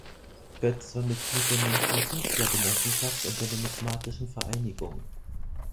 Goetz war Mitglied der Münchener Künstlergenossenschaft und der Numismatischen Vereinigung.